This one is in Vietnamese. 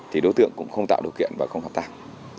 thì đối tượng cũng không tạo điều kiện và không hợp tác